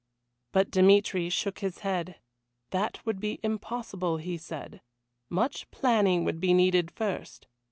But Dmitry shook his head. That would be impossible, he said. Much planning would be needed first.